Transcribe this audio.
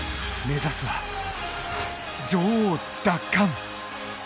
目指すは、女王奪還。